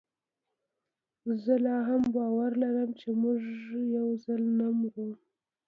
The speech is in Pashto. زه لا هم باور لرم چي موږ یوځل نه مرو